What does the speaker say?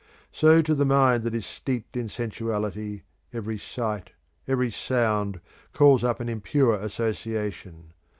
so to the mind that is steeped in sensuality every sight, every sound, calls up an impure association.